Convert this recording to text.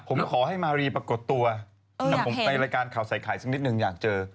คงขอให้มารีปรากฎตัวถ้าผมไปเรื่องข่าวไซคัยสักนิดนึงอยากเจอ